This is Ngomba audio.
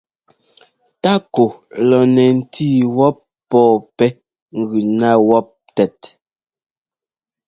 Tákɔ lɔ nɛ ńtí wɔ́p pɔ́ɔ pɛ́ gʉ ná wɔ́p tɛt.